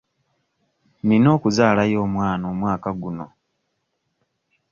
Nina okuzaalayo omwana omwaka guno.